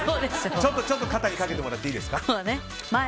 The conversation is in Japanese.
ちょっと肩にかけてもらっていいですか。